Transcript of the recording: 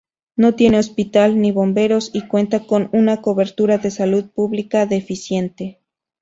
No tiene hospital ni bomberos, y cuenta con una cobertura de salud pública deficiente.